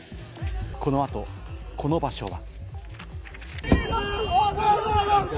この後、この場所は。